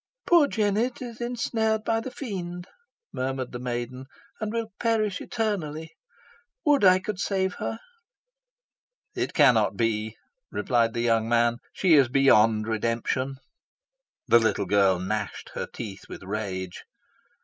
"Poor Jennet is ensnared by the Fiend," murmured the maiden, "and will perish eternally. Would I could save her!" "It cannot be," replied the young man. "She is beyond redemption." The little girl gnashed her teeth with rage.